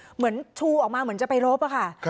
เหมือนชูออกมาเหมือนจะไปรบอะค่ะ